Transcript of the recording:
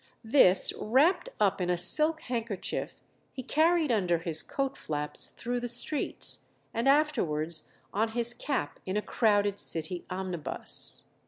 This, wrapped up in a silk handkerchief, he carried under his coat flaps through the streets, and afterwards on his cap in a crowded city omnibus.